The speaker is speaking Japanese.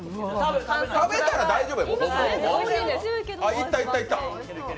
食べたら大丈夫。